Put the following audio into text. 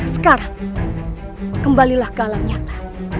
sekarang kembalilah ke alam nyata